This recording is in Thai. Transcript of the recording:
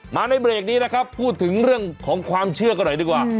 ในเบรกนี้นะครับพูดถึงเรื่องของความเชื่อกันหน่อยดีกว่า